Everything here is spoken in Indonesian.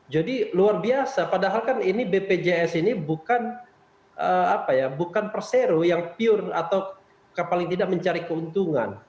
luar biasa padahal kan ini bpjs ini bukan persero yang pure atau paling tidak mencari keuntungan